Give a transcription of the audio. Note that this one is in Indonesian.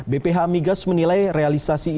bph migas menilai realisasi ini sebesar tujuh lima juta km